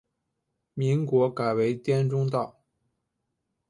民国改为滇中道。